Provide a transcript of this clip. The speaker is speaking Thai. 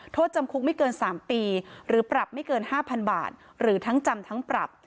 โทษจำคุกไม่เกิน๓ปีหรือปรับไม่เกิน๕๐๐๐บาทหรือทั้งจำทั้งปรับ